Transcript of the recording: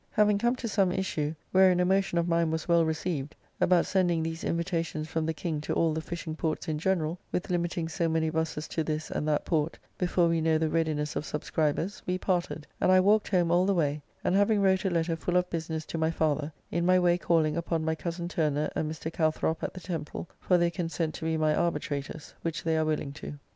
Having come to some issue, wherein a motion of mine was well received, about sending these invitations from the King to all the fishing ports in general, with limiting so many Busses to this, and that port, before we know the readiness of subscribers, we parted, and I walked home all the way, and having wrote a letter full of business to my father, in my way calling upon my cozen Turner and Mr. Calthrop at the Temple, for their consent to be my arbitrators, which they are willing to.